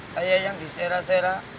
kayak yang disera sera